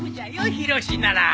ヒロシなら。